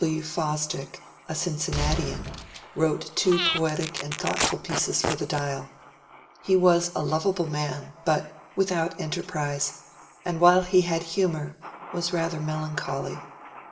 W. W. Fosdick, a Cincinnatian, wrote two poetic and thoughtful pieces for the ^^ Dial." He was a lovable man, but without enterprise, and while he had humour was rather mel ancholy.